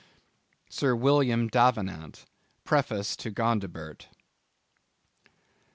—Sir William Davenant. Preface to Gondibert.